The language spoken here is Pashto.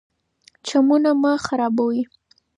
چمنونه مه خرابوئ.